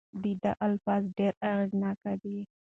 د ده الفاظ ډېر اغیزناک دي.